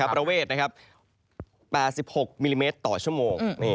ประเวท๘๖มิลลิเมตรต่อชั่วโมง